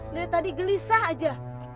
dari tadi gelisah saja